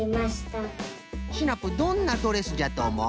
シナプーどんなドレスじゃとおもう？